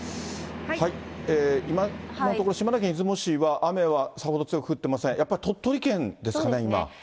今のところ、島根県出雲市は、雨はさほど強く降ってません、やっぱり鳥取県ですかね、今。